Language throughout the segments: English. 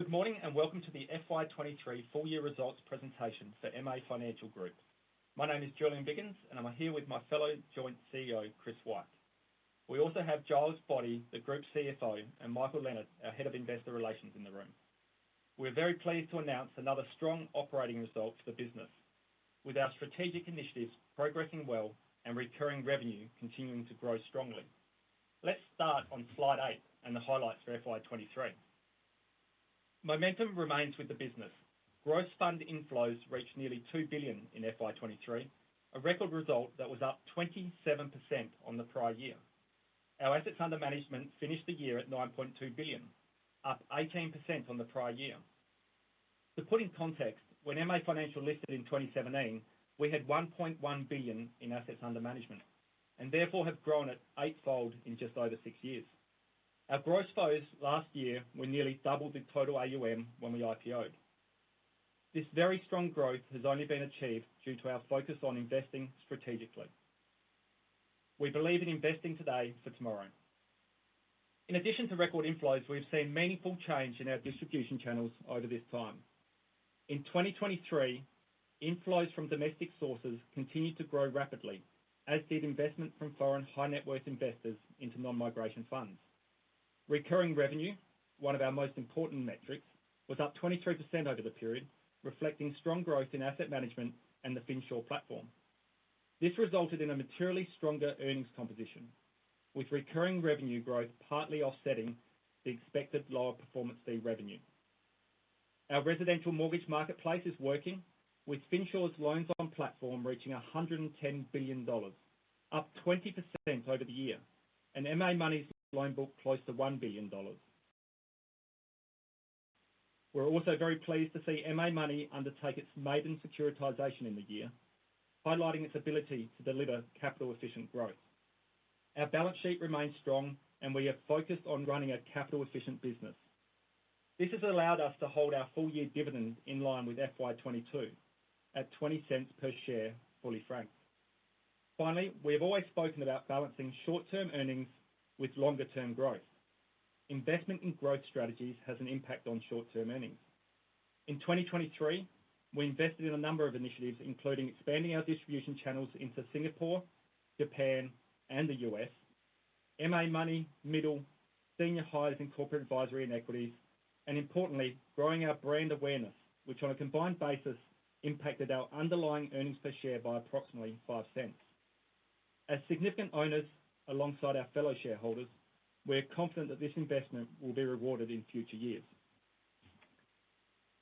Good morning and welcome to the FY23 full-year results presentation for MA Financial Group. My name is Julian Biggins, and I'm here with my fellow joint CEO, Chris Wyke. We also have Giles Boddy, the group CFO, and Michael Lennart, our head of investor relations, in the room. We're very pleased to announce another strong operating result for the business, with our strategic initiatives progressing well and recurring revenue continuing to grow strongly. Let's start on slide 8 and the highlights for FY23. Momentum remains with the business. Gross fund inflows reached nearly 2 billion in FY23, a record result that was up 27% on the prior year. Our assets under management finished the year at 9.2 billion, up 18% on the prior year. To put in context, when MA Financial listed in 2017, we had 1.1 billion in assets under management and therefore have grown at 8-fold in just over six years. Our gross fees last year were nearly double the total AUM when we IPOed. This very strong growth has only been achieved due to our focus on investing strategically. We believe in investing today for tomorrow. In addition to record inflows, we've seen meaningful change in our distribution channels over this time. In 2023, inflows from domestic sources continued to grow rapidly, as did investment from foreign high-net-worth investors into non-migration funds. Recurring revenue, one of our most important metrics, was up 23% over the period, reflecting strong growth in asset management and the Finsure platform. This resulted in a materially stronger earnings composition, with recurring revenue growth partly offsetting the expected lower performance fee revenue. Our residential mortgage marketplace is working, with Finsure's loans-on-platform reaching 110 billion dollars, up 20% over the year, and MA Money's loan book close to 1 billion dollars. We're also very pleased to see MA Money undertake its maiden securitization in the year, highlighting its ability to deliver capital-efficient growth. Our balance sheet remains strong, and we are focused on running a capital-efficient business. This has allowed us to hold our full-year dividend in line with FY22 at 0.20 per share fully franked. Finally, we have always spoken about balancing short-term earnings with longer-term growth. Investment in growth strategies has an impact on short-term earnings. In 2023, we invested in a number of initiatives, including expanding our distribution channels into Singapore, Japan, and the US, MA Money, Middle, Senior Hires in Corporate Advisory and Equities, and importantly, growing our brand awareness, which on a combined basis impacted our underlying earnings per share by approximately 0.05. As significant owners alongside our fellow shareholders, we're confident that this investment will be rewarded in future years.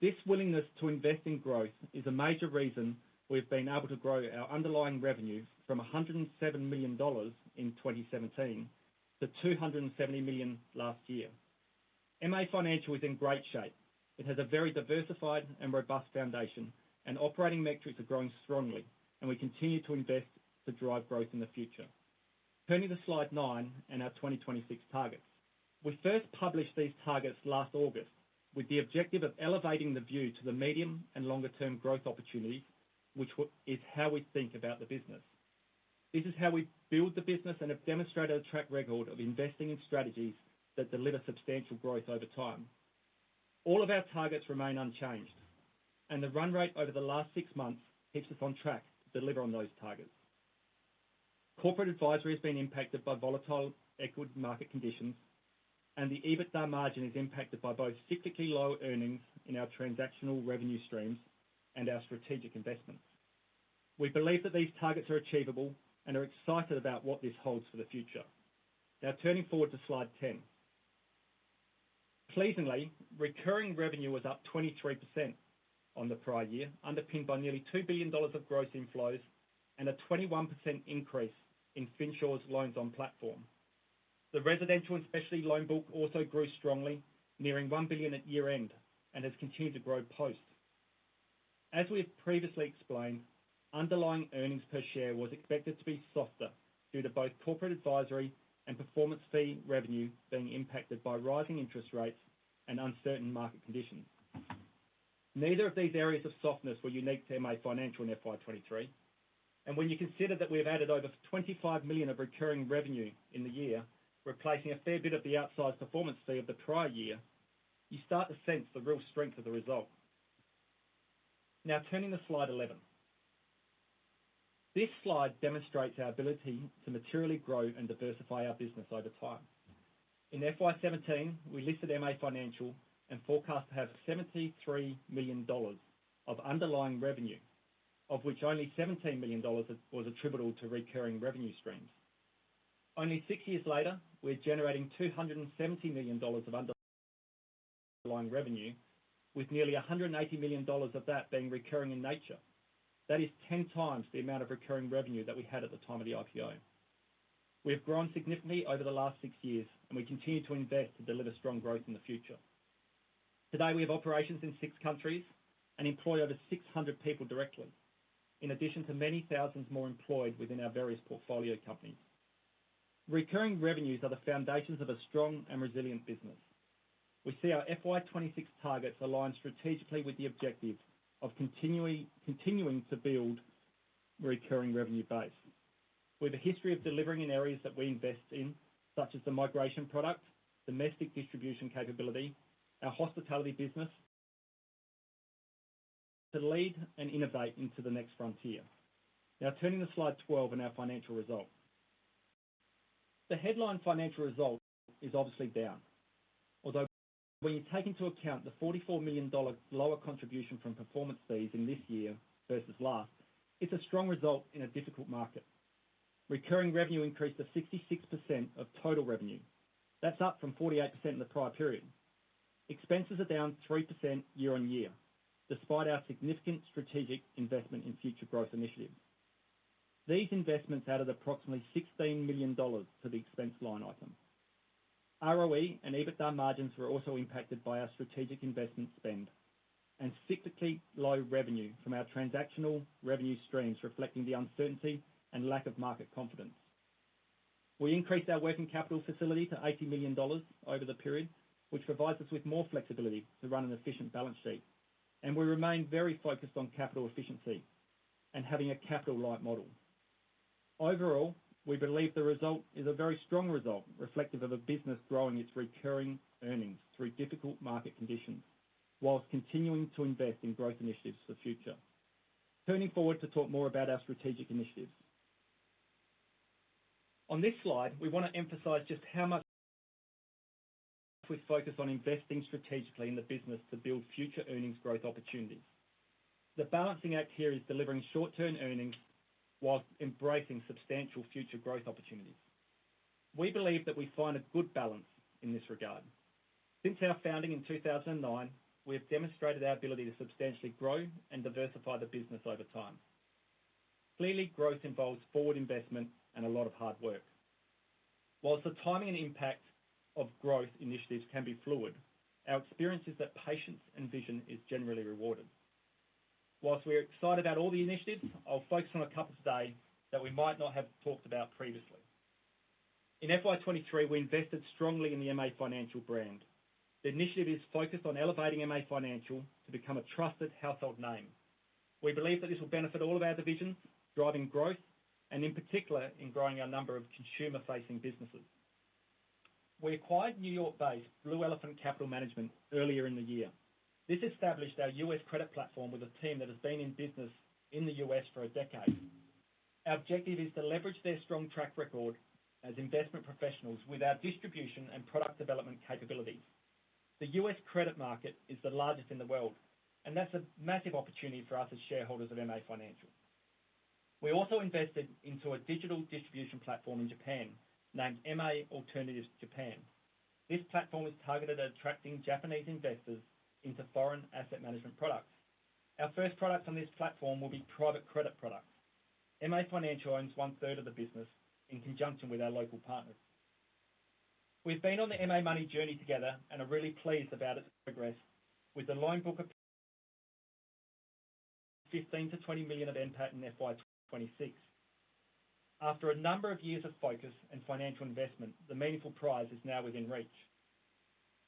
This willingness to invest in growth is a major reason we've been able to grow our underlying revenue from 107 million dollars in 2017 to 270 million last year. MA Financial is in great shape. It has a very diversified and robust foundation, and operating metrics are growing strongly, and we continue to invest to drive growth in the future. Turning to slide 9 and our 2026 targets. We first published these targets last August with the objective of elevating the view to the medium and longer-term growth opportunities, which is how we think about the business. This is how we build the business and have demonstrated a track record of investing in strategies that deliver substantial growth over time. All of our targets remain unchanged, and the run rate over the last six months keeps us on track to deliver on those targets. Corporate advisory has been impacted by volatile equity market conditions, and the EBITDA margin is impacted by both cyclically low earnings in our transactional revenue streams and our strategic investments. We believe that these targets are achievable and are excited about what this holds for the future. Now, turning forward to slide 10. Pleasingly, recurring revenue was up 23% on the prior year, underpinned by nearly 2 billion dollars of gross inflows and a 21% increase in Finsure's loans-on-platform. The residential and specialty loan book also grew strongly, nearing 1 billion at year-end, and has continued to grow post. As we have previously explained, underlying earnings per share was expected to be softer due to both corporate advisory and performance fee revenue being impacted by rising interest rates and uncertain market conditions. Neither of these areas of softness were unique to MA Financial in FY23, and when you consider that we have added over 25 million of recurring revenue in the year, replacing a fair bit of the outsized performance fee of the prior year, you start to sense the real strength of the result. Now, turning to Slide 11. This slide demonstrates our ability to materially grow and diversify our business over time. In FY17, we listed MA Financial and forecast to have 73 million dollars of underlying revenue, of which only 17 million dollars was attributed to recurring revenue streams. Only six years later, we're generating 270 million dollars of underlying revenue, with nearly 180 million dollars of that being recurring in nature. That is 10 times the amount of recurring revenue that we had at the time of the IPO. We have grown significantly over the last six years, and we continue to invest to deliver strong growth in the future. Today, we have operations in six countries and employ over 600 people directly, in addition to many thousands more employed within our various portfolio companies. Recurring revenues are the foundations of a strong and resilient business. We see our FY26 targets align strategically with the objective of continuing to build a recurring revenue base. We have a history of delivering in areas that we invest in, such as the migration product, domestic distribution capability, our hospitality business, to lead and innovate into the next frontier. Now, turning to slide 12 and our financial result. The headline financial result is obviously down, although when you take into account the 44 million dollar lower contribution from performance fees in this year versus last, it's a strong result in a difficult market. Recurring revenue increased to 66% of total revenue. That's up from 48% in the prior period. Expenses are down 3% year on year, despite our significant strategic investment in future growth initiatives. These investments added approximately 16 million dollars to the expense line item. ROE and EBITDA margins were also impacted by our strategic investment spend and cyclically low revenue from our transactional revenue streams, reflecting the uncertainty and lack of market confidence. We increased our working capital facility to 80 million dollars over the period, which provides us with more flexibility to run an efficient balance sheet, and we remain very focused on capital efficiency and having a capital-light model. Overall, we believe the result is a very strong result, reflective of a business growing its recurring earnings through difficult market conditions while continuing to invest in growth initiatives for the future. Turning forward to talk more about our strategic initiatives. On this slide, we want to emphasize just how much we focus on investing strategically in the business to build future earnings growth opportunities. The balancing act here is delivering short-term earnings while embracing substantial future growth opportunities. We believe that we find a good balance in this regard. Since our founding in 2009, we have demonstrated our ability to substantially grow and diversify the business over time. Clearly, growth involves forward investment and a lot of hard work. While the timing and impact of growth initiatives can be fluid, our experience is that patience and vision are generally rewarded. While we're excited about all the initiatives, I'll focus on a couple today that we might not have talked about previously. In FY23, we invested strongly in the MA Financial brand. The initiative is focused on elevating MA Financial to become a trusted household name. We believe that this will benefit all of our divisions, driving growth and, in particular, in growing our number of consumer-facing businesses. We acquired New York-based Blue Elephant Capital Management earlier in the year. This established our US credit platform with a team that has been in business in the US for a decade. Our objective is to leverage their strong track record as investment professionals with our distribution and product development capabilities. The US credit market is the largest in the world, and that's a massive opportunity for us as shareholders of MA Financial. We also invested into a digital distribution platform in Japan named MA Alternatives Japan. This platform is targeted at attracting Japanese investors into foreign asset management products. Our first products on this platform will be private credit products. MA Financial owns one-third of the business in conjunction with our local partners. We've been on the MA Money journey together and are really pleased about its progress, with the loan book of 15 million-20 million of impact in FY26. After a number of years of focus and financial investment, the meaningful prize is now within reach.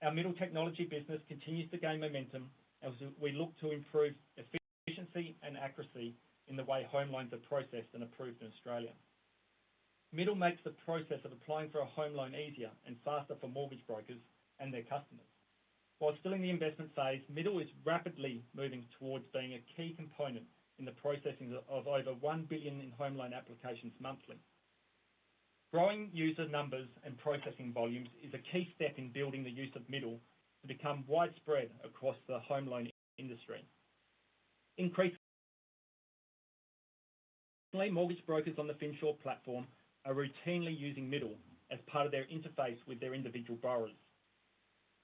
Our Middle technology business continues to gain momentum, as we look to improve efficiency and accuracy in the way home loans are processed and approved in Australia. Middle makes the process of applying for a home loan easier and faster for mortgage brokers and their customers. While still in the investment phase, Middle is rapidly moving towards being a key component in the processing of over 1 billion in home loan applications monthly. Growing user numbers and processing volumes is a key step in building the use of Middle to become widespread across the home loan industry. Increasingly, mortgage brokers on the Finsure platform are routinely using Middle as part of their interface with their individual borrowers.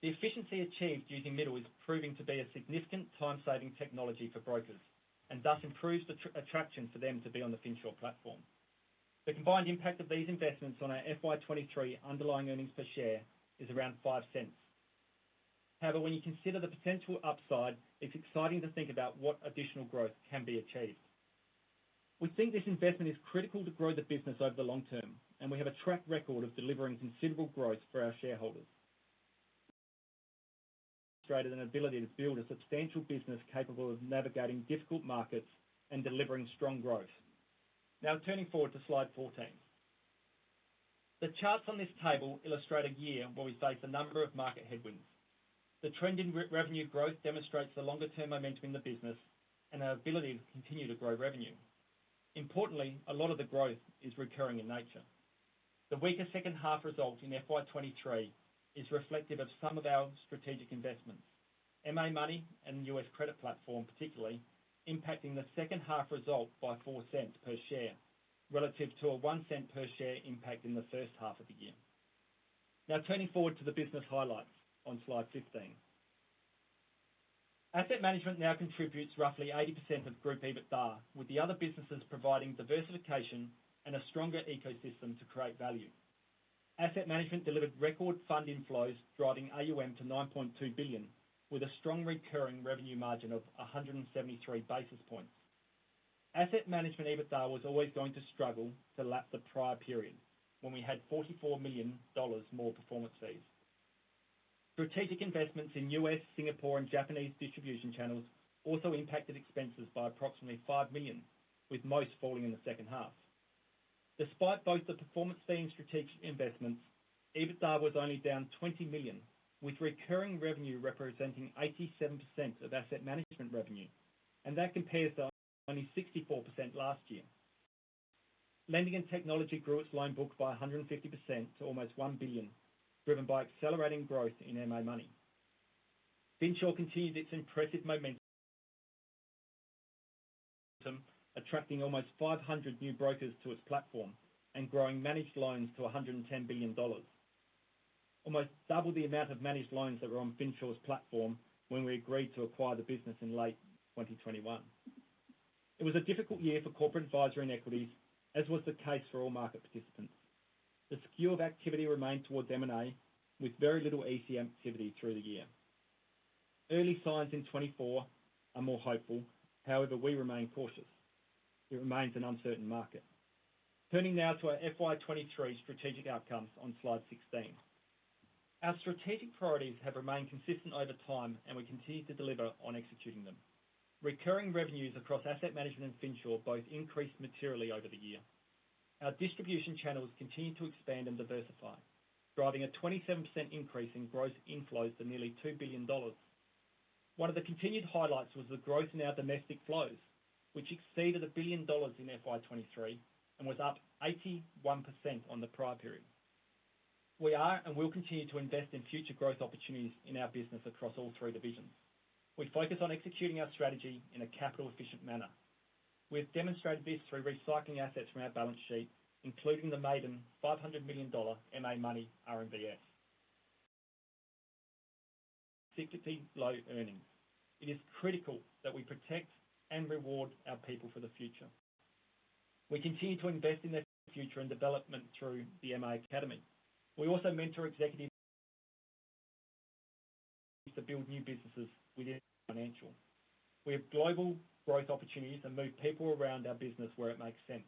The efficiency achieved using Middle is proving to be a significant time-saving technology for brokers and thus improves the attraction for them to be on the Finsure platform. The combined impact of these investments on our FY23 underlying earnings per share is around 0.05. However, when you consider the potential upside, it's exciting to think about what additional growth can be achieved. We think this investment is critical to grow the business over the long term, and we have a track record of delivering considerable growth for our shareholders. This demonstrated an ability to build a substantial business capable of navigating difficult markets and delivering strong growth. Now, turning forward to slide 14. The charts on this table illustrate a year where we face a number of market headwinds. The trend in revenue growth demonstrates the longer-term momentum in the business and our ability to continue to grow revenue. Importantly, a lot of the growth is recurring in nature. The weaker second-half result in FY23 is reflective of some of our strategic investments, MA Money and the U.S. credit platform particularly, impacting the second-half result by 0.04 per share relative to a 0.01 per share impact in the first half of the year. Now, turning forward to the business highlights on slide 15. Asset management now contributes roughly 80% of group EBITDA, with the other businesses providing diversification and a stronger ecosystem to create value. Asset management delivered record fund inflows, driving AUM to 9.2 billion, with a strong recurring revenue margin of 173 basis points. Asset management EBITDA was always going to struggle to lap the prior period when we had 44 million dollars more performance fees. Strategic investments in U.S., Singapore, and Japanese distribution channels also impacted expenses by approximately 5 million, with most falling in the second half. Despite both the performance fee and strategic investments, EBITDA was only down 20 million, with recurring revenue representing 87% of asset management revenue, and that compares to only 64% last year. Lending and technology grew its loan book by 150% to almost 1 billion, driven by accelerating growth in MA Money. Finsure continued its impressive momentum, attracting almost 500 new brokers to its platform and growing managed loans to 110 billion dollars, almost double the amount of managed loans that were on Finsure's platform when we agreed to acquire the business in late 2021. It was a difficult year for corporate advisory and equities, as was the case for all market participants. The skew of activity remained towards M&A, with very little ECM activity through the year. Early signs in 2024 are more hopeful. However, we remain cautious. It remains an uncertain market. Turning now to our FY23 strategic outcomes on slide 16. Our strategic priorities have remained consistent over time, and we continue to deliver on executing them. Recurring revenues across asset management and Finsure both increased materially over the year. Our distribution channels continue to expand and diversify, driving a 27% increase in gross inflows to nearly 2 billion dollars. One of the continued highlights was the growth in our domestic flows, which exceeded 1 billion dollars in FY23 and was up 81% on the prior period. We are and will continue to invest in future growth opportunities in our business across all three divisions. We focus on executing our strategy in a capital-efficient manner. We have demonstrated this through recycling assets from our balance sheet, including the maiden 500 million dollar MA Money RMBS, cyclically low earnings. It is critical that we protect and reward our people for the future. We continue to invest in their future and development through the MA Academy. We also mentor executives to build new businesses within MA Financial. We have global growth opportunities and move people around our business where it makes sense.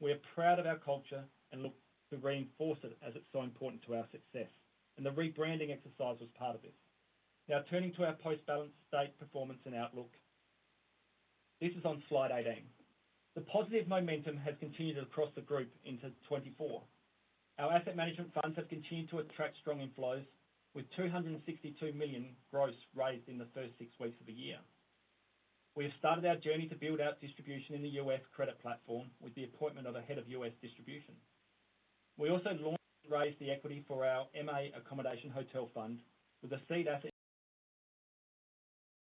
We are proud of our culture and look to reinforce it as it's so important to our success, and the rebranding exercise was part of this. Now, turning to our post-balance sheet performance and outlook. This is on slide 18. The positive momentum has continued across the group into 2024. Our asset management funds have continued to attract strong inflows, with 262 million gross raised in the first six weeks of the year. We have started our journey to build out distribution in the US credit platform with the appointment of a head of US distribution. We also launched and raised the equity for our MA Accommodation Hotel Fund with a seed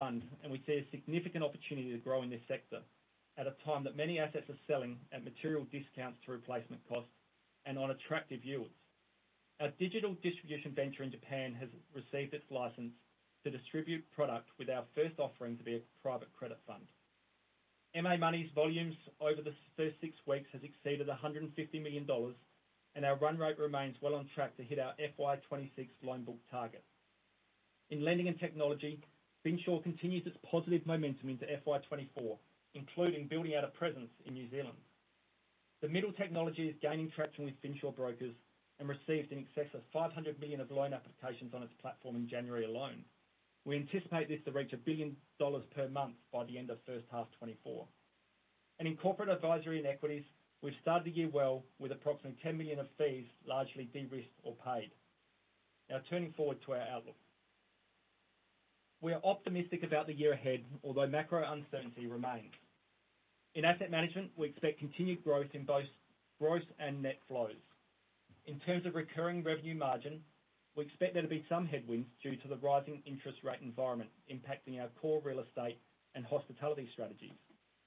asset fund, and we see a significant opportunity to grow in this sector at a time that many assets are selling at material discounts to replacement costs and on attractive yields. Our digital distribution venture in Japan has received its license to distribute product, with our first offering to be a private credit fund. MA Money's volumes over the first 6 weeks have exceeded 150 million dollars, and our run rate remains well on track to hit our FY26 loan book target. In lending and technology, Finsure continues its positive momentum into FY24, including building out a presence in New Zealand. The Middle technology is gaining traction with Finsure brokers and received in excess of 500 million of loan applications on its platform in January alone. We anticipate this to reach 1 billion dollars per month by the end of first half 2024. In corporate advisory and equities, we've started the year well with approximately 10 million of fees largely de-risked or paid. Now, turning forward to our outlook. We are optimistic about the year ahead, although macro uncertainty remains. In asset management, we expect continued growth in both gross and net flows. In terms of recurring revenue margin, we expect there to be some headwinds due to the rising interest rate environment impacting our core real estate and hospitality strategies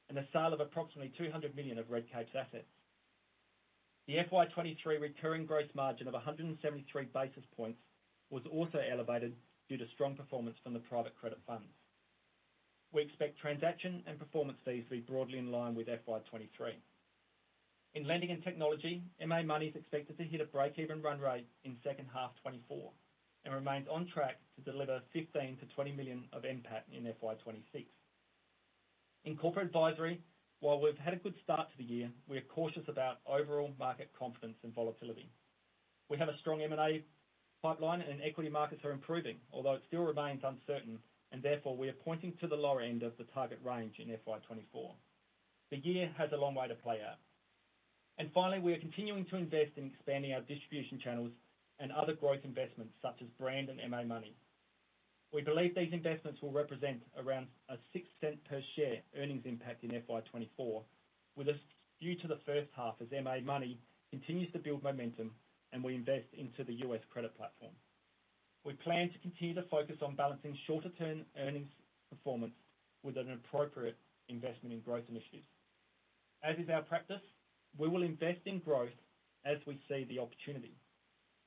and the sale of approximately 200 million of Redcape assets. The FY23 recurring gross margin of 173 basis points was also elevated due to strong performance from the private credit funds. We expect transaction and performance fees to be broadly in line with FY23. In lending and technology, MA Money's expected to hit a break-even run rate in second half 2024 and remains on track to deliver 15-20 million of impact in FY 2026. In corporate advisory, while we've had a good start to the year, we are cautious about overall market confidence and volatility. We have a strong M&A pipeline, and equity markets are improving, although it still remains uncertain, and therefore we are pointing to the lower end of the target range in FY 2024. The year has a long way to play out. And finally, we are continuing to invest in expanding our distribution channels and other growth investments such as brand and MA Money. We believe these investments will represent around 0.06 per share earnings impact in FY 2024, with upside due to the first half as MA Money continues to build momentum and we invest into the US credit platform. We plan to continue to focus on balancing shorter-term earnings performance with an appropriate investment in growth initiatives. As is our practice, we will invest in growth as we see the opportunity.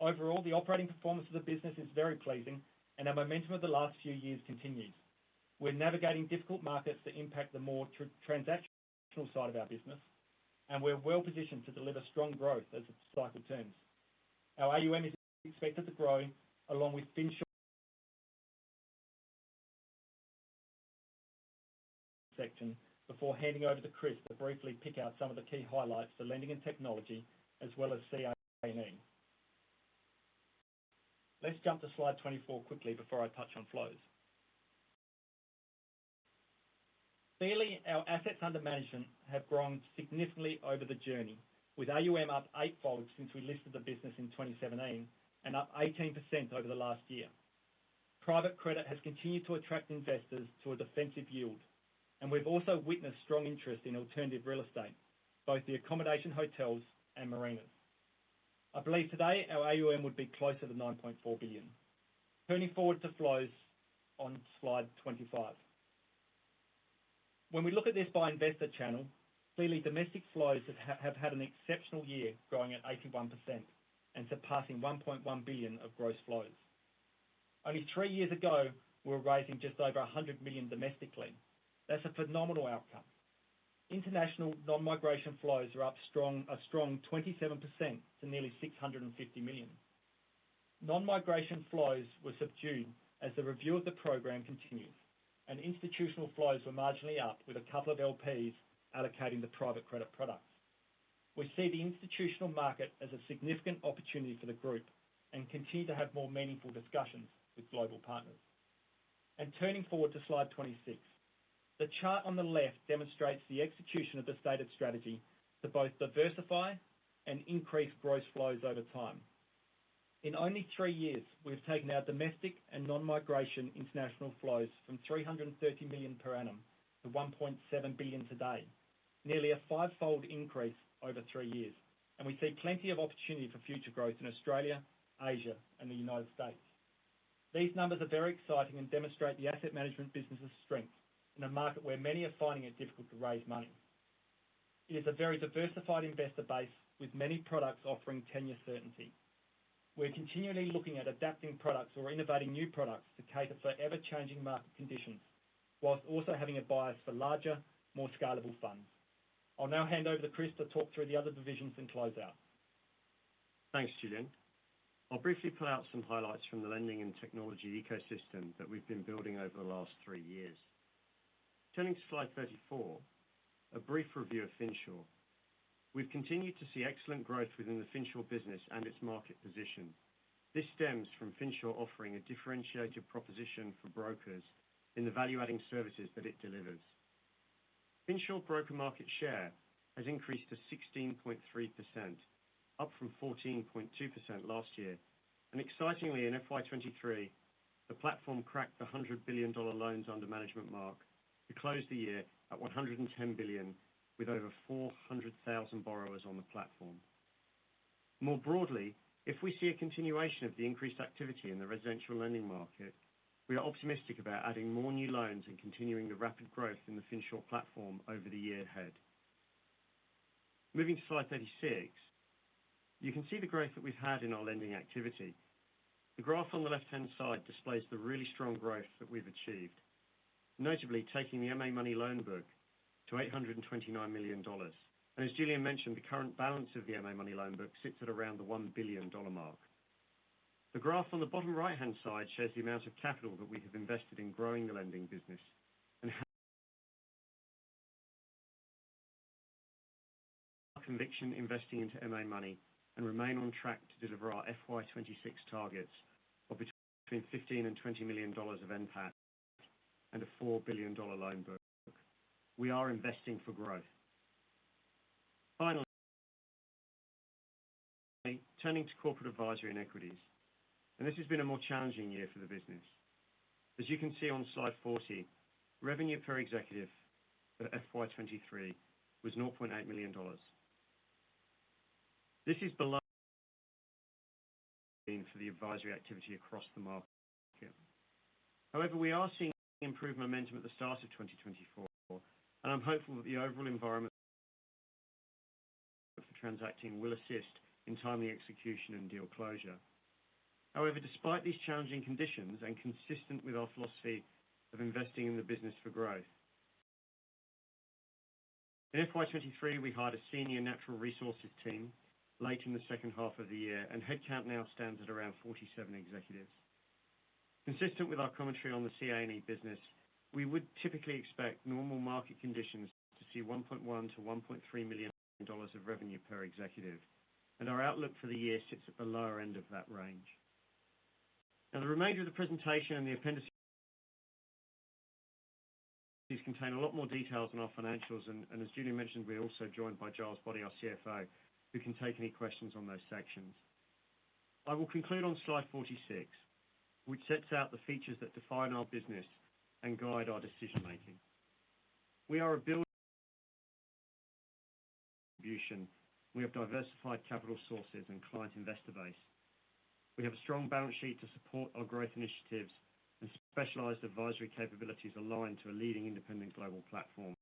Overall, the operating performance of the business is very pleasing, and our momentum of the last few years continues. We're navigating difficult markets that impact the more transactional side of our business, and we're well positioned to deliver strong growth as the cycle turns. Our AUM is expected to grow along with Finsure section before handing over to Chris to briefly pick out some of the key highlights for lending and technology as well as CANE. Let's jump to slide 24 quickly before I touch on flows. Clearly, our assets under management have grown significantly over the journey, with AUM up 8-fold since we listed the business in 2017 and up 18% over the last year. Private credit has continued to attract investors to a defensive yield, and we've also witnessed strong interest in alternative real estate, both the accommodation hotels and marinas. I believe today our AUM would be closer to 9.4 billion. Turning forward to flows on slide 25. When we look at this by investor channel, clearly domestic flows have had an exceptional year growing at 81% and surpassing 1.1 billion of gross flows. Only three years ago, we were raising just over 100 million domestically. That's a phenomenal outcome. International non-migration flows are up a strong 27% to nearly 650 million. Non-migration flows were subdued as the review of the program continues, and institutional flows were marginally up with a couple of LPs allocating the private credit products. We see the institutional market as a significant opportunity for the group and continue to have more meaningful discussions with global partners. Turning forward to slide 26. The chart on the left demonstrates the execution of the stated strategy to both diversify and increase gross flows over time. In only three years, we've taken our domestic and non-migration international flows from 330 million per annum to 1.7 billion today, nearly a five-fold increase over three years, and we see plenty of opportunity for future growth in Australia, Asia, and the United States. These numbers are very exciting and demonstrate the asset management business's strength in a market where many are finding it difficult to raise money. It is a very diversified investor base with many products offering tenure certainty. We're continually looking at adapting products or innovating new products to cater for ever-changing market conditions while also having a bias for larger, more scalable funds. I'll now hand over to Chris to talk through the other divisions and close out. Thanks, Julian. I'll briefly pull out some highlights from the lending and technology ecosystem that we've been building over the last three years. Turning to slide 34, a brief review of Finsure. We've continued to see excellent growth within the Finsure business and its market position. This stems from Finsure offering a differentiated proposition for brokers in the value-adding services that it delivers. Finsure broker market share has increased to 16.3%, up from 14.2% last year. Excitingly, in FY23, the platform cracked the 100 billion dollar loans under management mark to close the year at 110 billion, with over 400,000 borrowers on the platform. More broadly, if we see a continuation of the increased activity in the residential lending market, we are optimistic about adding more new loans and continuing the rapid growth in the Finsure platform over the year ahead. Moving to slide 36. You can see the growth that we've had in our lending activity. The graph on the left-hand side displays the really strong growth that we've achieved, notably taking the MA Money loan book to 829 million dollars. And as Julian mentioned, the current balance of the MA Money loan book sits at around the 1 billion dollar mark. The graph on the bottom right-hand side shows the amount of capital that we have invested in growing the lending business and our conviction investing into MA Money and remain on track to deliver our FY26 targets of between 15 million and 20 million dollars of impact and a 4 billion dollar loan book. We are investing for growth. Finally, turning to corporate advisory and equities. This has been a more challenging year for the business. As you can see on slide 40, revenue per executive for FY23 was 0.8 million dollars. This is below the average for the advisory activity across the market. However, we are seeing improved momentum at the start of 2024, and I'm hopeful that the overall environment for transacting will assist in timely execution and deal closure. However, despite these challenging conditions and consistent with our philosophy of investing in the business for growth, in FY2023 we hired a senior natural resources team late in the second half of the year, and headcount now stands at around 47 executives. Consistent with our commentary on the CANE business, we would typically expect normal market conditions to see 1.1 million-1.3 million dollars of revenue per executive, and our outlook for the year sits at the lower end of that range. Now, the remainder of the presentation and the appendices contain a lot more details on our financials, and as Julian mentioned, we're also joined by Giles Boddy, our CFO, who can take any questions on those sections. I will conclude on slide 46, which sets out the features that define our business and guide our decision-making. We are building our distribution. We have diversified capital sources and client investor base. We have a strong balance sheet to support our growth initiatives and specialized advisory capabilities aligned to a leading independent global platform.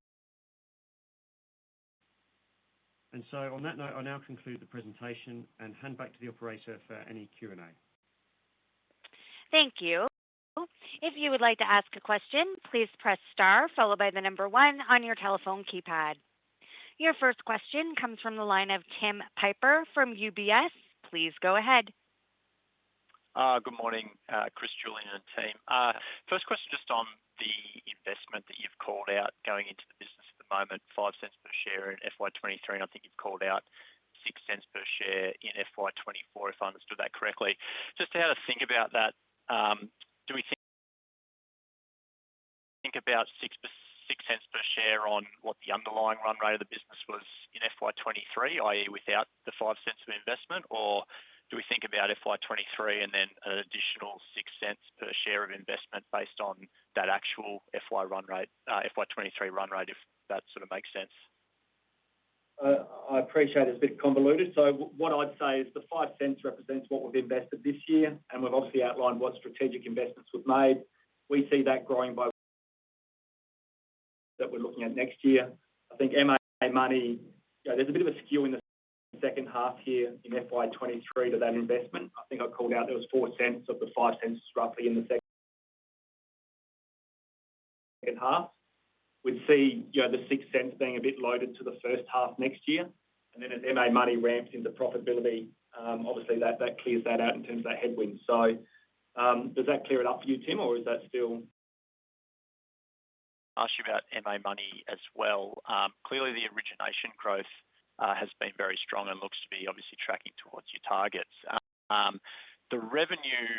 So on that note, I now conclude the presentation and hand back to the operator for any Q&A. Thank you. If you would like to ask a question, please press star followed by the number 1 on your telephone keypad. Your first question comes from the line of Tim Piper from UBS. Please go ahead. Good morning, Chris, Julian, and team. First question just on the investment that you've called out going into the business at the moment, 0.05 per share in FY23, and I think you've called out 0.06 per share in FY24 if I understood that correctly. Just how to think about that? Do we think about AUD 0.06 per share on what the underlying run rate of the business was in FY23, i.e., without the 0.05 of investment, or do we think about FY23 and then an additional 0.06 per share of investment based on that actual FY23 run rate, if that sort of makes sense? I appreciate it's a bit convoluted. So what I'd say is the 0.05 represents what we've invested this year, and we've obviously outlined what strategic investments we've made. We see that growing by what we're looking at next year. I think MA Money, there's a bit of a skew in the second half here in FY23 to that investment. I think I called out there was 0.04 of the 0.05 roughly in the second half. We'd see the AUD 0.06 being a bit loaded to the first half next year, and then as MA Money ramped into profitability, obviously that clears that out in terms of that headwind. So does that clear it up for you, Tim, or is that still? I'll ask you about MA Money as well. Clearly, the origination growth has been very strong and looks to be obviously tracking towards your targets. The revenue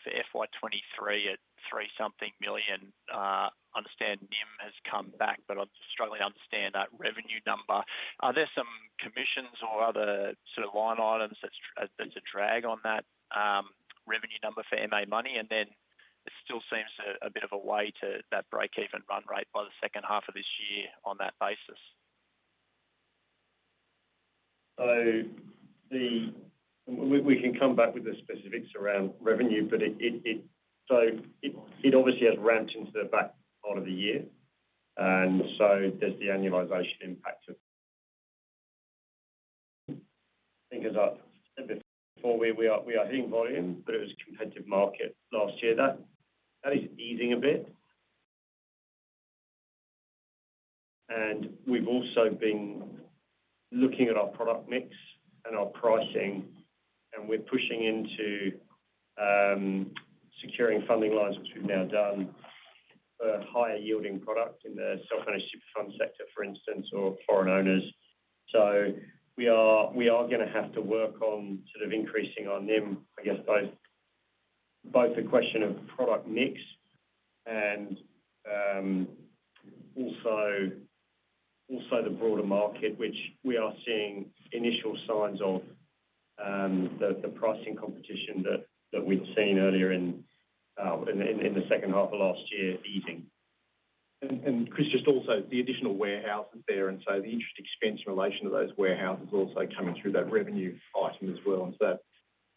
for FY23 at 3-something million, I understand NIM has come back, but I'm just struggling to understand that revenue number. Are there some commissions or other sort of line items that's a drag on that revenue number for MA Money? And then it still seems a bit of a way to that break-even run rate by the second half of this year on that basis. So we can come back with the specifics around revenue, but it obviously has ramped into the back part of the year, and so there's the annualization impact of I think as I said before, we are hitting volume, but it was competitive market last year. That is easing a bit. And we've also been looking at our product mix and our pricing, and we're pushing into securing funding lines, which we've now done, for higher-yielding product in the self-managed super fund sector, for instance, or foreign owners. So we are going to have to work on sort of increasing our NIM, I guess, both the question of product mix and also the broader market, which we are seeing initial signs of the pricing competition that we'd seen earlier in the second half of last year easing. And Chris, just also the additional warehouses there, and so the interest expense in relation to those warehouses also coming through that revenue item as well. And so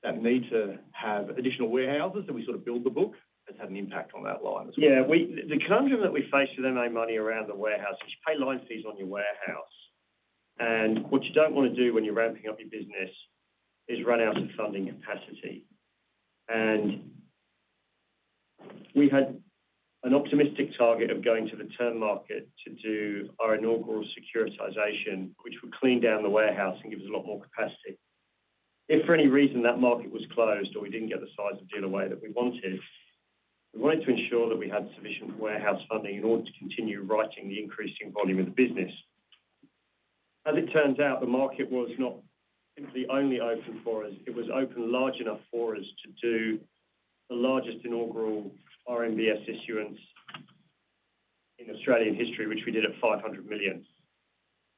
that need to have additional warehouses that we sort of build the book has had an impact on that line as well. Yeah. The conundrum that we face with MA Money around the warehouse is you pay line fees on your warehouse, and what you don't want to do when you're ramping up your business is run out of funding capacity. And we had an optimistic target of going to the term market to do our inaugural securitization, which would clean down the warehouse and give us a lot more capacity. If for any reason that market was closed or we didn't get the size of deal away that we wanted, we wanted to ensure that we had sufficient warehouse funding in order to continue writing the increasing volume of the business. As it turns out, the market was not simply only open for us. It was open large enough for us to do the largest inaugural RMBS issuance in Australian history, which we did at 500 million.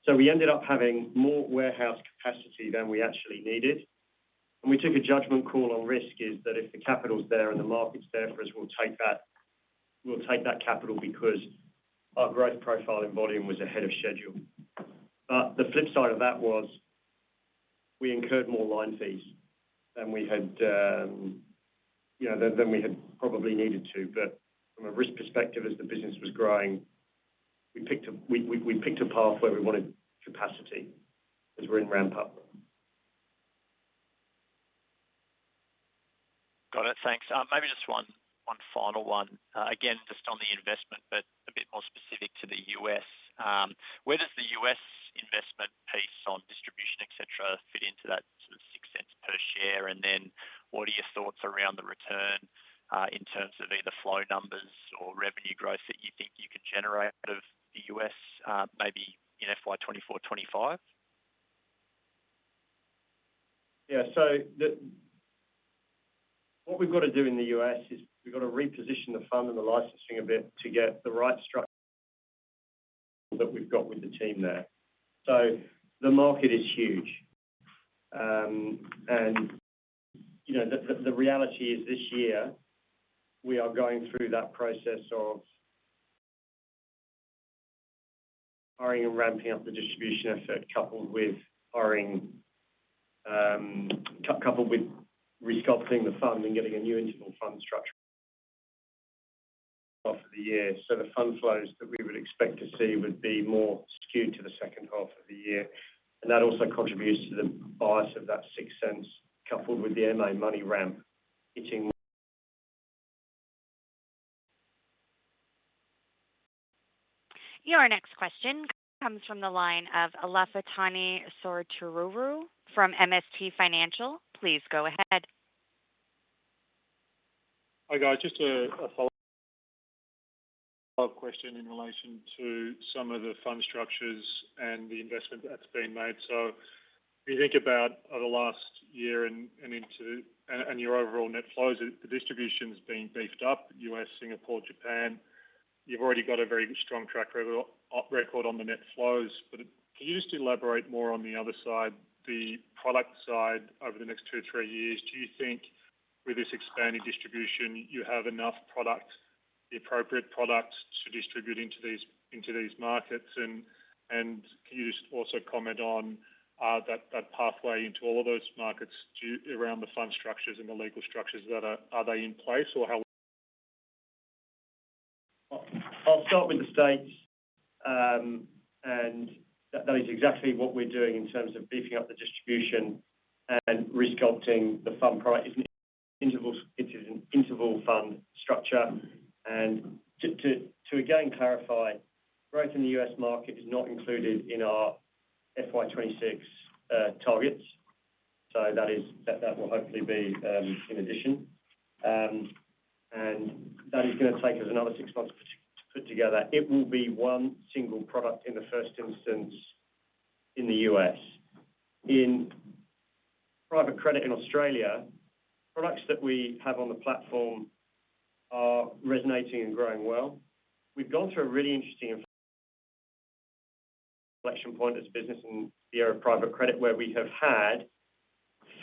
So we ended up having more warehouse capacity than we actually needed. And we took a judgment call on risk is that if the capital's there and the market's there for us, we'll take that capital because our growth profile and volume was ahead of schedule. But the flip side of that was we incurred more line fees than we had probably needed to. But from a risk perspective, as the business was growing, we picked a path where we wanted capacity as we're in ramp-up. Got it. Thanks. Maybe just one final one. Again, just on the investment, but a bit more specific to the U.S. Where does the U.S. investment piece on distribution, etc., fit into that sort of 0.06 per share? And then what are your thoughts around the return in terms of either flow numbers or revenue growth that you think you can generate out of the U.S. maybe in FY 2024/2025? Yeah. So what we've got to do in the U.S. is we've got to reposition the fund and the licensing a bit to get the right structure that we've got with the team there. So the market is huge. And the reality is this year, we are going through that process of hiring and ramping up the distribution effort coupled with hiring coupled with resculpting the fund and getting a new interval fund structure half of the year. So the fund flows that we would expect to see would be more skewed to the second half of the year. And that also contributes to the bias of that 0.06 coupled with the MA Money ramp hitting. Your next question comes from the line of Alastair Souter from MST Financial. Please go ahead. Hi guys. Just a follow-up question in relation to some of the fund structures and the investment that's been made. So if you think about over the last year and into the and your overall net flows, the distribution's been beefed up, U.S., Singapore, Japan. You've already got a very strong track record on the net flows. But can you just elaborate more on the other side, the product side, over the next two, three years? Do you think with this expanding distribution, you have enough product, the appropriate product, to distribute into these markets? And can you just also comment on that pathway into all of those markets around the fund structures and the legal structures that are they in place or how? I'll start with the states. That is exactly what we're doing in terms of beefing up the distribution and resculpting the fund product. It's an interval fund structure. To again clarify, growth in the U.S. market is not included in our FY26 targets. That will hopefully be in addition. That is going to take us another six months to put together. It will be one single product in the first instance in the U.S. In private credit in Australia, products that we have on the platform are resonating and growing well. We've gone through a really interesting inflection point as a business in the area of private credit where we have had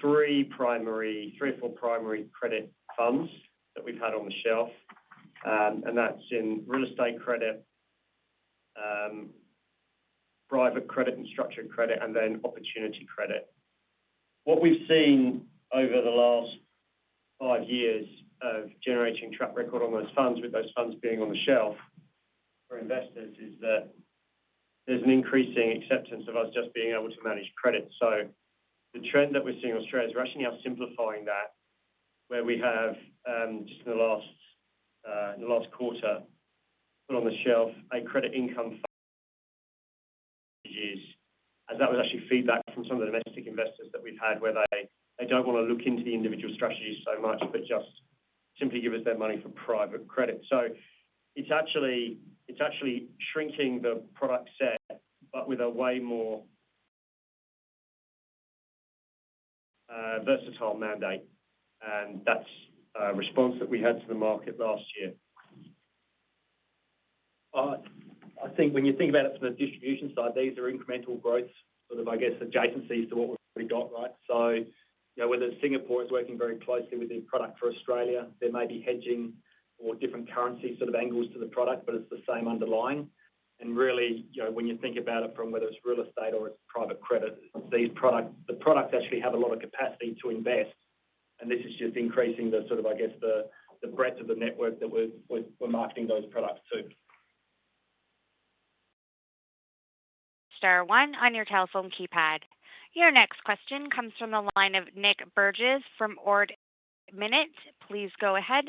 three or four primary credit funds that we've had on the shelf. That's in real estate credit, private credit, and structured credit, and then opportunity credit. What we've seen over the last five years of generating track record on those funds, with those funds being on the shelf for investors, is that there's an increasing acceptance of us just being able to manage credit. So the trend that we're seeing in Australia, we're actually now simplifying that where we have just in the last quarter put on the shelf a credit income strategy as that was actually feedback from some of the domestic investors that we've had where they don't want to look into the individual strategies so much but just simply give us their money for private credit. So it's actually shrinking the product set but with a way more versatile mandate. And that's a response that we had to the market last year. I think when you think about it from the distribution side, these are incremental growth sort of, I guess, adjacencies to what we've already got, right? So whether Singapore is working very closely with the product for Australia, there may be hedging or different currency sort of angles to the product, but it's the same underlying. And really, when you think about it from whether it's real estate or it's private credit, the products actually have a lot of capacity to invest. And this is just increasing the sort of, I guess, the breadth of the network that we're marketing those products to. Star 1 on your telephone keypad. Your next question comes from the line of Nick Burgess from Ord Minnett. Please go ahead.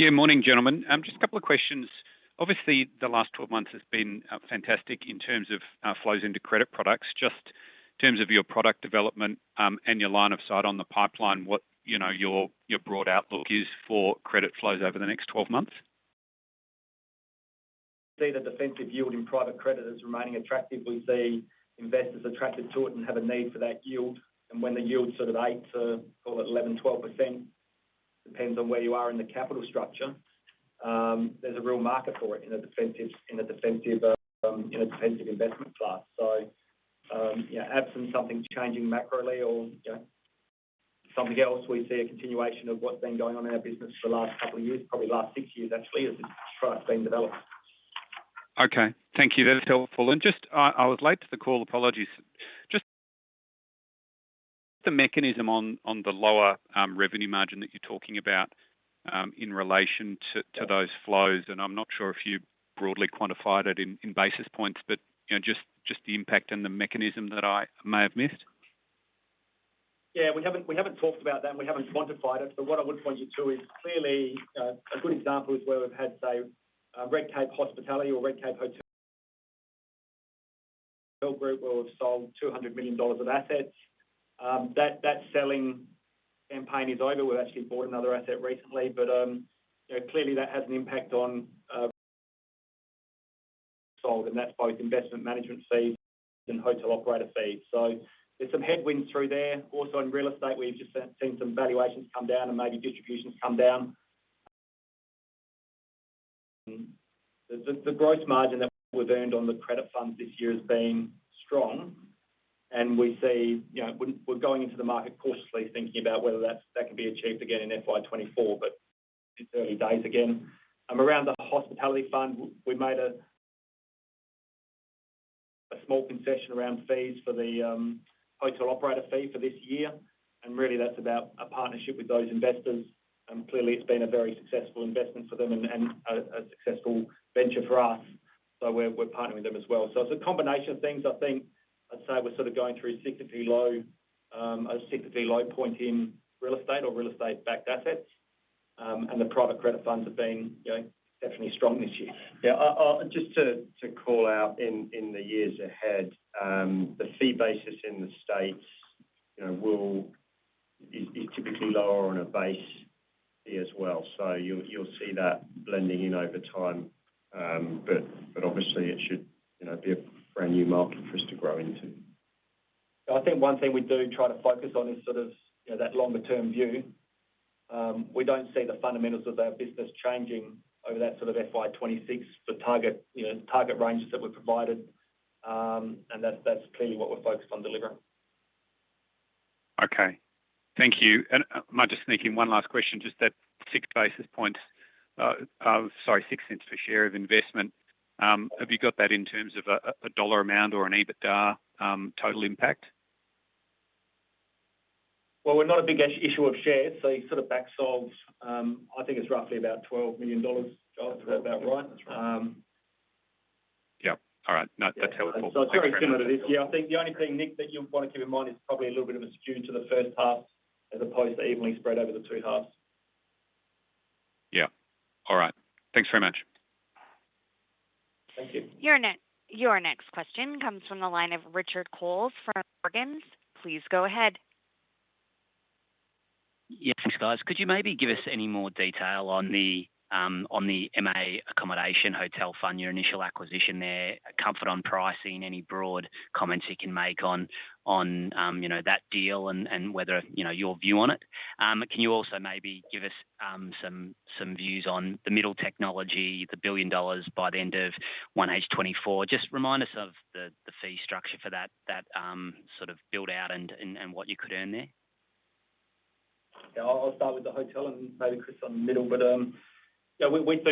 Yeah. Morning, gentlemen. Just a couple of questions. Obviously, the last 12 months has been fantastic in terms of flows into credit products. Just in terms of your product development and your line of sight on the pipeline, what your broad outlook is for credit flows over the next 12 months? We see the defensive yield in private credit as remaining attractive. We see investors attracted to it and have a need for that yield. When the yield sort of aches to, call it, 11%-12%, depends on where you are in the capital structure, there's a real market for it in a defensive investment class. Absent something changing macrally or something else, we see a continuation of what's been going on in our business for the last couple of years, probably last six years actually, as this product's been developed. Okay. Thank you. That is helpful. And I was late to the call. Apologies. Just the mechanism on the lower revenue margin that you're talking about in relation to those flows. And I'm not sure if you broadly quantified it in basis points, but just the impact and the mechanism that I may have missed. Yeah. We haven't talked about that, and we haven't quantified it. But what I would point you to is clearly a good example is where we've had, say, Redcape Hospitality or Redcape Hotel Group, where we've sold 200 million dollars of assets. That selling campaign is over. We've actually bought another asset recently. But clearly, that has an impact on what's sold. And that's both investment management fees and hotel operator fees. So there's some headwinds through there. Also in real estate, we've just seen some valuations come down and maybe distributions come down. The growth margin that we've earned on the credit funds this year has been strong. And we're going into the market cautiously, thinking about whether that can be achieved again in FY 2024. But it's early days again. Around the hospitality fund, we made a small concession around fees for the hotel operator fee for this year. Really, that's about a partnership with those investors. Clearly, it's been a very successful investment for them and a successful venture for us. We're partnering with them as well. It's a combination of things. I think I'd say we're sort of going through a significantly low point in real estate or real estate-backed assets. The private credit funds have been exceptionally strong this year. Yeah. Just to call out in the years ahead, the fee basis in the states is typically lower on a base fee as well. So you'll see that blending in over time. But obviously, it should be a brand new market for us to grow into. I think one thing we do try to focus on is sort of that longer-term view. We don't see the fundamentals of our business changing over that sort of FY26 for target ranges that we've provided. That's clearly what we're focused on delivering. Okay. Thank you. I'm just thinking, one last question, just that 6 basis points sorry, 0.06 per share of investment. Have you got that in terms of a dollar amount or an EBITDA total impact? Well, we're not a big issue of shares. So you sort of backsold, I think it's roughly about 12 million dollars, Josh. Is that about right? That's right. Yep. All right. No, that's helpful. So it's very similar to this year. I think the only thing, Nick, that you want to keep in mind is probably a little bit of a skew to the first half as opposed to evenly spread over the two halves. Yeah. All right. Thanks very much. Thank you. Your next question comes from the line of Richard Coles from Morgans. Please go ahead. Yes, guys. Could you maybe give us any more detail on the MA Accommodation Hotel Fund, your initial acquisition there, comfort on pricing, any broad comments you can make on that deal and whether your view on it? Can you also maybe give us some views on the Middle technology, the 1 billion dollars by the end of 1H 2024? Just remind us of the fee structure for that sort of build-out and what you could earn there. Yeah. I'll start with the hotel and maybe Chris on the Middle. But we've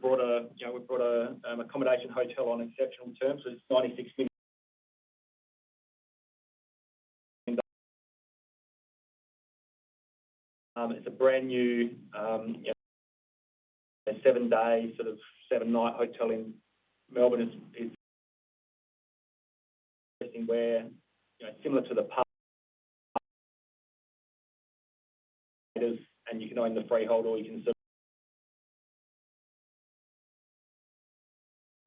brought an accommodation hotel on exceptional terms. It's 96. It's a brand new seven-night hotel in Melbourne. It's interesting we're similar to the parks, and you can own the freehold or you can serve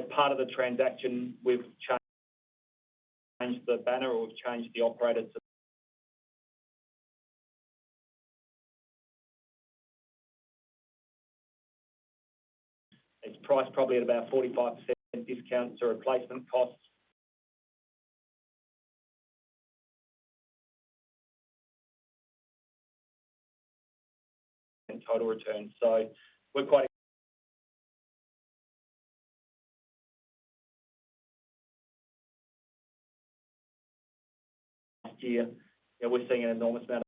as part of the transaction, we've changed the banner or the operator. It's priced probably at about 45% discount to replacement costs and total return. So we're quite last year, we're seeing an enormous amount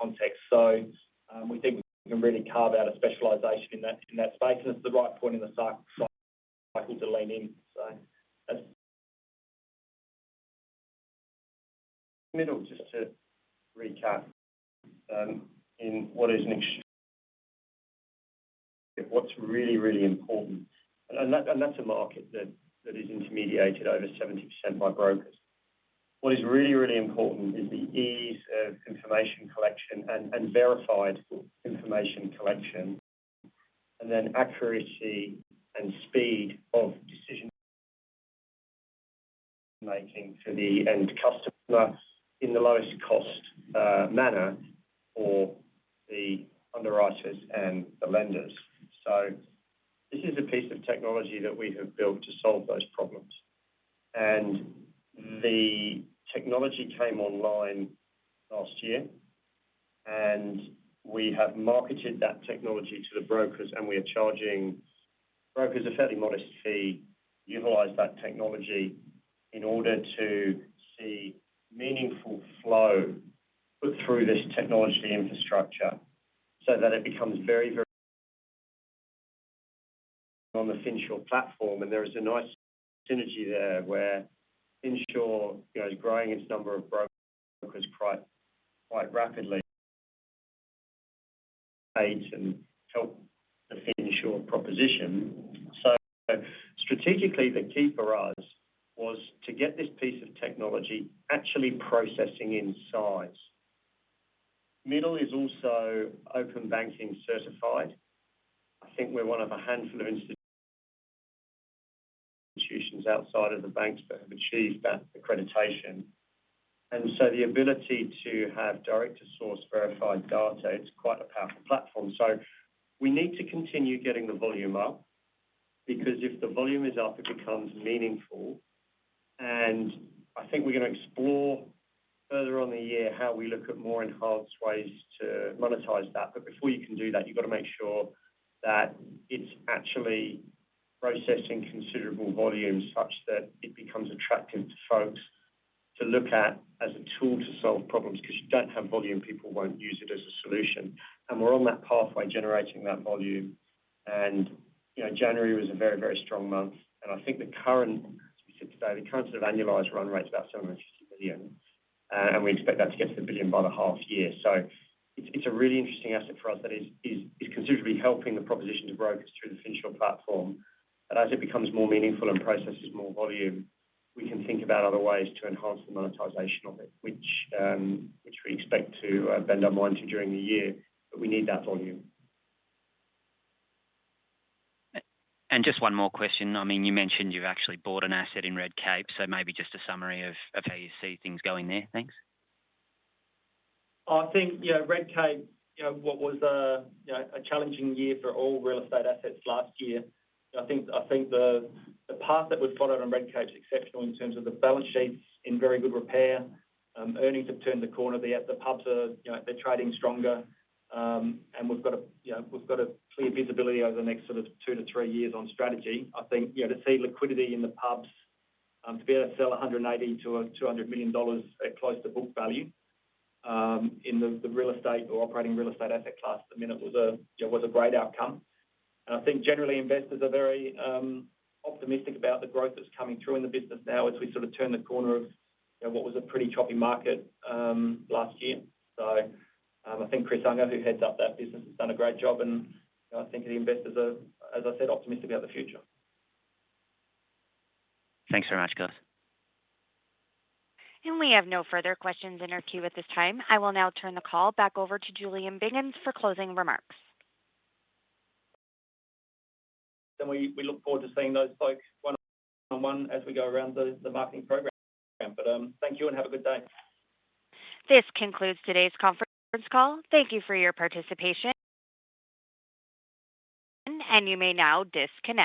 of context. So we think we can really carve out a specialization in that space. And it's the right point in the cycle to lean in. So that's Middle, just to recap, in what is what's really, really important. And that's a market that is intermediated over 70% by brokers. What is really, really important is the ease of information collection and verified information collection and then accuracy and speed of decision-making for the end customer in the lowest cost manner for the underwriters and the lenders. So this is a piece of technology that we have built to solve those problems. And the technology came online last year. And we have marketed that technology to the brokers. And we are charging brokers a fairly modest fee to utilize that technology in order to see meaningful flow put through this technology infrastructure so that it becomes very, very on the Finsure platform. And there is a nice synergy there where Finsure is growing its number of brokers quite rapidly. It's a great aid and help the Finsure proposition. So strategically, the key for us was to get this piece of technology actually processing in size. Middle is also Open Banking certified. I think we're one of a handful of institutions outside of the banks that have achieved that accreditation. So the ability to have direct-to-source verified data, it's quite a powerful platform. We need to continue getting the volume up because if the volume is up, it becomes meaningful. And I think we're going to explore further on the year how we look at more enhanced ways to monetize that. But before you can do that, you've got to make sure that it's actually processing considerable volume such that it becomes attractive to folks to look at as a tool to solve problems because you don't have volume, people won't use it as a solution. And we're on that pathway generating that volume. And January was a very, very strong month. I think the current, as we sit today, the current sort of annualized run rate's about 750 million. We expect that to get to 1 billion by the half year. It's a really interesting asset for us that is considerably helping the proposition to brokers through the Finsure platform. But as it becomes more meaningful and processes more volume, we can think about other ways to enhance the monetization of it, which we expect to bend our mind to during the year. But we need that volume. Just one more question. I mean, you mentioned you've actually bought an asset in Redcape. So maybe just a summary of how you see things going there. Thanks. I think Redcape, what was a challenging year for all real estate assets last year, I think the path that we've followed on Redcape's exceptional in terms of the balance sheets in very good repair, earnings have turned the corner. The pubs, they're trading stronger. We've got a clear visibility over the next sort of two to three years on strategy. I think to see liquidity in the pubs, to be able to sell 180 million-200 million dollars at close to book value in the real estate or operating real estate asset class at the minute was a great outcome. I think generally, investors are very optimistic about the growth that's coming through in the business now as we sort of turn the corner of what was a pretty choppy market last year. So I think Chris Unger, who heads up that business, has done a great job. I think the investors are, as I said, optimistic about the future. Thanks very much, guys. We have no further questions in our queue at this time. I will now turn the call back over to Julian Biggins for closing remarks. We look forward to seeing those folks one-on-one as we go around the marketing program. Thank you and have a good day. This concludes today's conference call. Thank you for your participation. You may now disconnect.